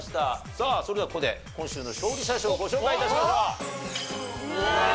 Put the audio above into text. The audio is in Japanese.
さあそれではここで今週の勝利者賞をご紹介致しましょう。